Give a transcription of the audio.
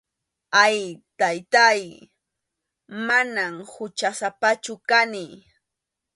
Ay, Taytáy, manam huchasapachu kani.